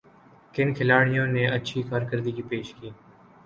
کن کھلاڑیوں نے اچھی کارکردگی پیش کی